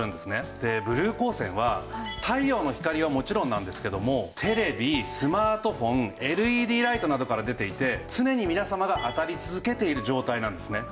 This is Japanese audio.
でブルー光線は太陽の光はもちろんなんですけどもテレビスマートフォンＬＥＤライトなどから出ていて常に皆様が当たり続けている状態なんですね。